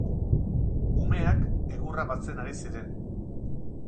Umeak egurra batzen ari ziren.